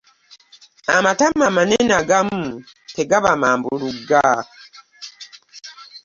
Amatama amanene agamu tegaba mambulugga.